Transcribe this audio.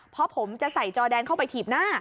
เพราะผมจะใส่จอแดนเข้าไปถีบหน้า